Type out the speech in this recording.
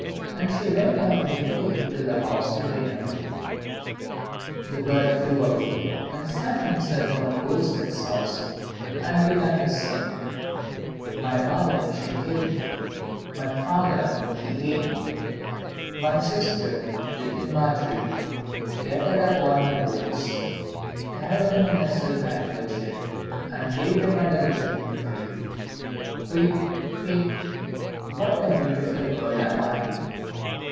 And she went back merrily into the house to dinner. The bird flew away, sat himself on a goldsmith's house, and began to sing "My mother, she killed me; My father, he ate me; My sister, little Margery, Gathered up all my bones, Tied them in a silk handkerchief, And laid them under the Juniper tree: Kywitt! Kywitt! what a beautiful bird am I!"